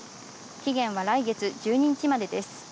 期限は来月１２日までです。